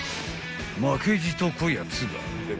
［負けじとこやつが］